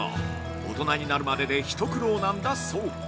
大人になるまでで一苦労なんだそう。